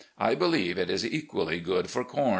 I believe it is equally good for com.